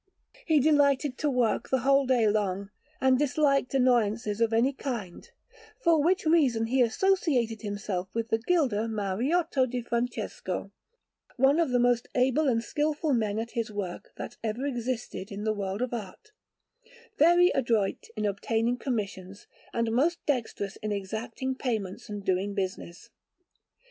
He delighted to work the whole day long, and disliked annoyances of any kind; for which reason he associated himself with the gilder Mariotto di Francesco, one of the most able and skilful men at his work that ever existed in the world of art, very adroit in obtaining commissions, and most dexterous in exacting payments and doing business.